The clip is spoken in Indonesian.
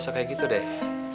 nggak kayak gitu deh